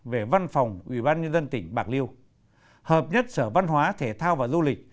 về văn phòng ủy ban nhân dân tỉnh bạc liêu hợp nhất sở văn hóa thể thao và du lịch